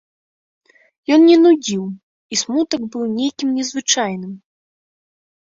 Ён не нудзіў, і смутак быў нейкім незвычайным.